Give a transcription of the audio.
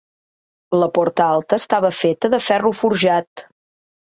La porta alta estava feta de ferro forjat.